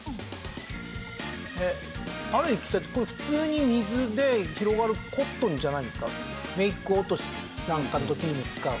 えっある液体ってこれ普通に水で広がるコットンじゃないんですか？